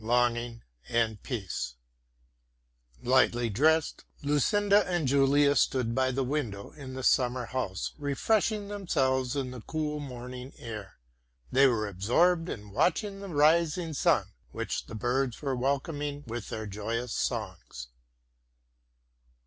LONGING AND PEACE Lightly dressed, Lucinda and Julius stood by the window in the summer house, refreshing themselves in the cool morning air. They were absorbed in watching the rising sun, which the birds were welcoming with their joyous songs.